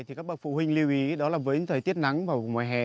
thì các bậc phụ huynh lưu ý đó là với những thời tiết nắng và mùa hè